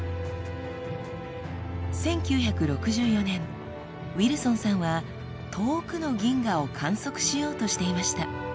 １９６４年ウィルソンさんは遠くの銀河を観測しようとしていました。